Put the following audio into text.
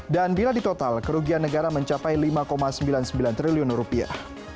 dan bila ditotal kerugian negara mencapai lima sembilan puluh sembilan triliun rupiah